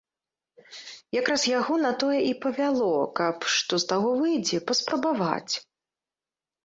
Якраз яго на тое і павяло, каб, што з таго выйдзе, паспрабаваць.